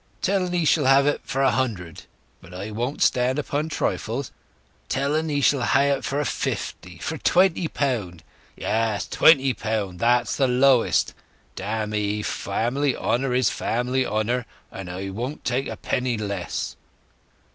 Tell'n he shall hae it for a hundred. But I won't stand upon trifles—tell'n he shall hae it for fifty—for twenty pound! Yes, twenty pound—that's the lowest. Dammy, family honour is family honour, and I won't take a penny less!"